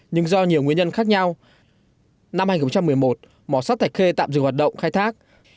nhưng do nhiều nguyên nhân khác nhau năm hai nghìn một mươi một mỏ sắt thạch khê tạm dừng hoạt động khai thác